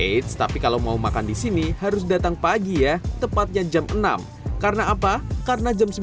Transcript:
eits tapi kalau mau makan di sini harus datang pagi ya tepatnya jam enam karena apa karena jam sembilan